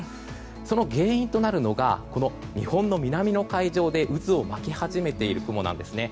その原因となるのが日本の南の海上で渦を巻き始めている雲なんですね。